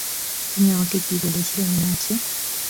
তুমি আমাকে কী বলেছিলে, মনে আছে?